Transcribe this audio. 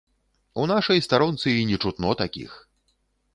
У нашай старонцы і не чутно такіх!